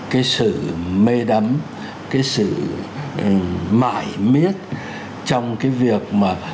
cái sự mê đắm cái sự mãi miết trong cái việc mà